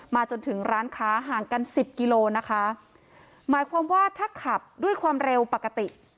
จนถึงร้านค้าห่างกันสิบกิโลนะคะหมายความว่าถ้าขับด้วยความเร็วปกติ